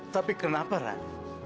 tapi kenapa ran